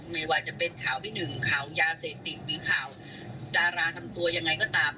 ไม่ว่าจะเป็นข่าวที่หนึ่งข่าวยาเสพติดหรือข่าวดาราทำตัวยังไงก็ตาม